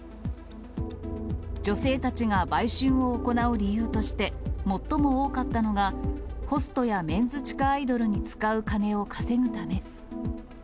女性たちが売春を行う理由として、最も多かったのが、ホストやメンズ地下アイドルに使う金を稼ぐため。